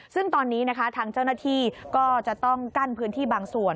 ซึ่งตอนนี้นะคะทางเจ้าหน้าที่ก็จะต้องกั้นพื้นที่บางส่วน